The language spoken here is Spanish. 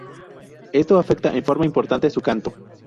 Esto afecta en forma importante su canto.